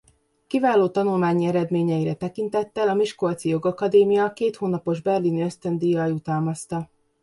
Kiváló tanulmányi eredményeire tekintettel a Miskolci Jogakadémia két hónapos berlini ösztöndíjjal jutalmazta.